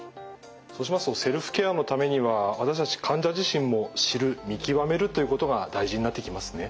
そうしますとセルフケアのためには私たち患者自身も知る見極めるということが大事になってきますね。